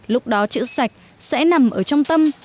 lúc đó chữ sạch sẽ nằm ở trong tâm